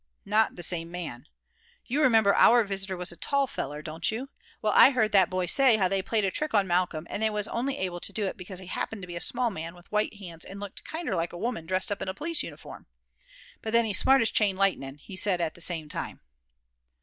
"Not the same man. You remember our visitor was a tall feller, don't you? Well, I heard that boy say how they played a trick on Malcolm, and they was only able to do it because he happened to be a small man, with white hands, and looked kinder like a woman dressed up in police uniform. But then he's smart as chain lightnin', he said at the same time."